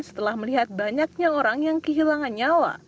setelah melihat banyaknya orang yang kehilangan nyawa